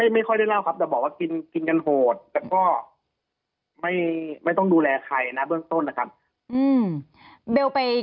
ไม่ค่อยได้เล่าครับแต่บอกว่ากินกันโหดแต่ก็ไม่ต้องดูแลใครนะเบื้องต้นนะครับ